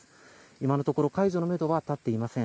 今のところ解除のめどは立っていません。